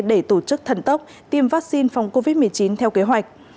để tổ chức thần tốc tiêm vaccine phòng covid một mươi chín theo kế hoạch